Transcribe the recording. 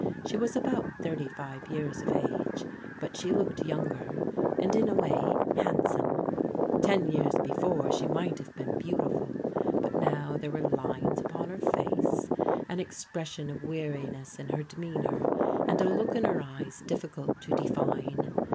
She was about thirty five years of age, but she looked younger, and in a way handsome. Ten years before, she might have been beautiful, but aow ^^tft. ^42 PBODIQAL DAUQHTEBS were lines tzpon her face, an expression of weariness in her demeanour, and a kxk in her eyes difficult to define.